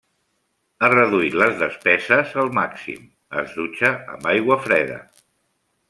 Ha reduït les despeses al màxim, es dutxa amb aigua freda.